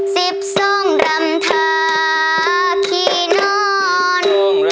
สิบทรงรำทาขี้นอน